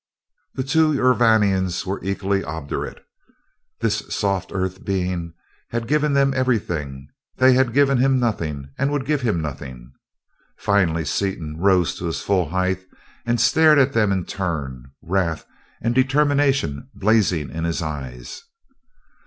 The two Urvanians were equally obdurate. This soft earth being had given them everything; they had given him nothing and would give him nothing. Finally Seaton rose to his full height and stared at them in turn, wrath and determination blazing in his eyes.